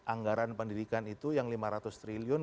anggaran pendidikan itu yang lima ratus triliun